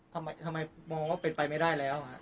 ทำไมมองว่าเป็นไปไม่ได้แล้ว